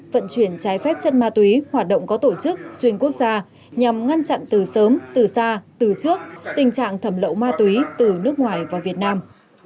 vận chuyển trái phép chất ma túy hoạt động có tổ chức xuyên quốc gia nhằm ngăn chặn từ sớm từ xa từ trước tình trạng thẩm lậu ma túy từ nước ngoài vào việt nam